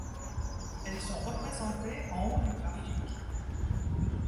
Elles sont représentées en haut du graphique.